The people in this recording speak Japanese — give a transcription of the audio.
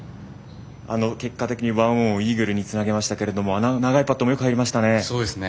結果的に１オンをイーグルにつなげましたけれどもあの長いパットよく入りましたね。